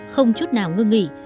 không chút nào ngưng nghỉ